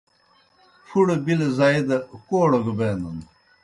پُھڑہ بِلہ زائی دہ کوڑہ گہ بینَن